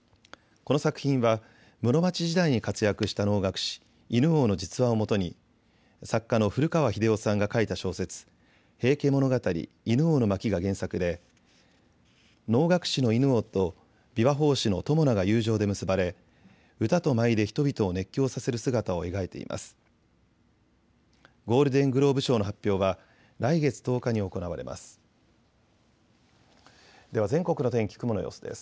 この作品は室町時代に活躍した能楽師、犬王の実話をもとに作家の古川日出男さんが書いた小説、平家物語犬王の巻が原作で能楽師の犬王と琵琶法師の友魚が友情で結ばれ歌と舞で人々を熱狂させる姿を描いています。